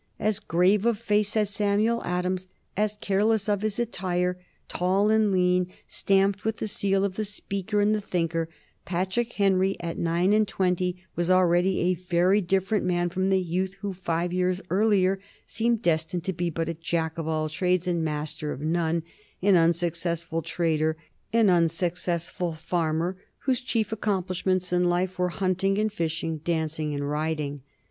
As grave of face as Samuel Adams, as careless of his attire, tall and lean, stamped with the seal of the speaker and the thinker, Patrick Henry at nine and twenty was already a very different man from the youth who five years earlier seemed destined to be but a Jack of all trades and master of none, an unsuccessful trader, an unsuccessful farmer, whose chief accomplishments in life were hunting and fishing, dancing and riding.